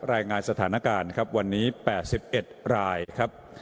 รายงานสถานการณ์ครับวันนี้แปดสิบเอ็ดรายครับ